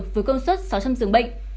với công suất sáu trăm linh dưỡng bệnh